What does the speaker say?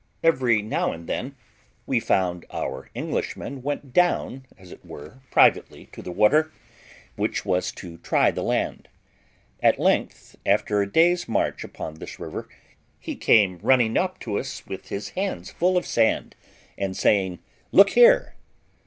Every now and then we found our Englishman went down as it were privately to the water, which was to try the land; at length, after a day's march upon this river, he came running up to us with his hands full of sand, and saying, "Look here."